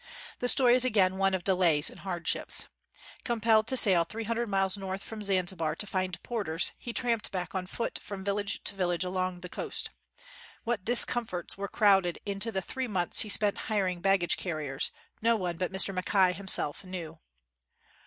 The story is again one of delays and hardships. Compelled to sail three hundred miles north from Zanzi bar to find porters, he tramped back on foot from village to village along the coast. What discomforts were crowded into the three months he spent hiring baggage car riers, no one but Mr. Mackay himself knew